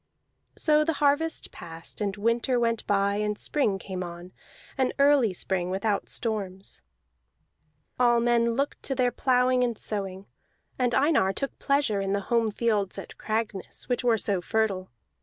So the harvest passed, and winter went by and spring came on, an early spring without storms. All men looked to their plowing and sowing; and Einar took pleasure in the home fields at Cragness, which were so fertile.